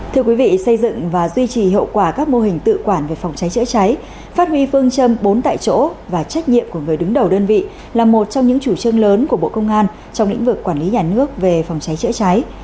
thưa quý vị xây dựng và duy trì hiệu quả các mô hình tự quản về phòng cháy chữa cháy phát huy phương châm bốn tại chỗ và trách nhiệm của người đứng đầu đơn vị là một trong những chủ trương lớn của bộ công an trong lĩnh vực quản lý nhà nước về phòng cháy chữa cháy